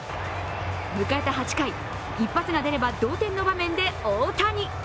迎えた８回、一発が出れば同点の場面で大谷。